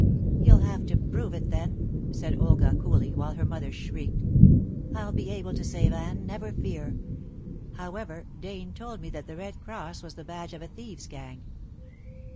"He'll have to prove it, then," said Olga coolly, while her mother shrieked. "I'll be able to save Anne, never fear. However, Dane told me that the red cross was the badge of a thieves' gang.